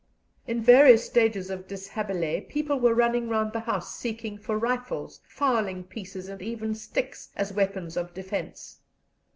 In various stages of deshabille people were running round the house seeking for rifles, fowling pieces, and even sticks, as weapons of defence.